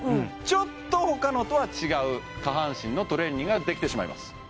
ちょっと他のとは違う下半身のトレーニングができてしまいます